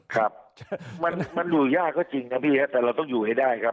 ครับมันอยู่ยากก็จริงนะพี่ครับแต่เราต้องอยู่ให้ได้ครับ